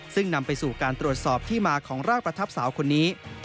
ซึ่งนำไปสู่การตรวจสอบที่มาของร่างประทับสาวคนนี้